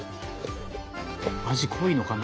味濃いのかな？